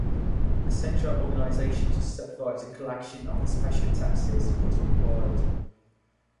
A central organisation to supervise the collection of the special taxes was required.